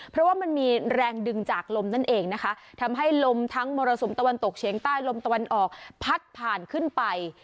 เพราะว่ามันมีแรงดึงจากลมนั่นเองนะคะทำให้ลมทั้งมรสุมตะวันตกเฉียงใต้ลมตะวันออกพัดผ่านขึ้นไป